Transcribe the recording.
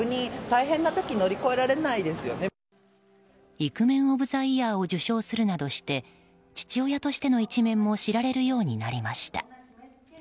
イクメンオブザイヤーを受賞するなどして父親としての一面も知られるようになりました。